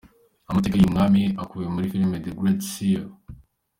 Amateka y’uyu mwami akubiye muri filime The Great Seer.